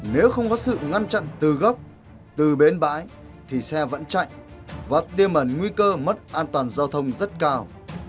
nếu không có sự ngăn chặn từ gốc từ bến bãi thì xe vẫn chạy và tiêm ẩn nguy cơ mất an toàn giao thông rất cao